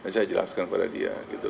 saya jelaskan pada dia gitu